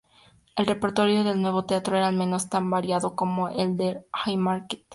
El repertorio del nuevo teatro era al menos tan variado como el del Haymarket.